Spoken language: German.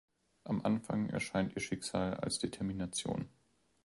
Am Anfang erscheint ihr Schicksal als Determination.